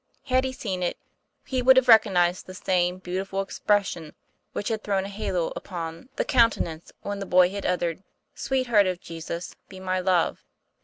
Had he seen it, he would have recognized the same beautiful expression which had thrown a halo upon the coun TOM PLAYFAIR. tenance when the boy had uttered " Sweet Heart of Jesus, be my Love."